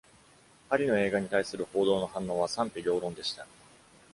パリの映画に対する報道の反応は賛否両論でした。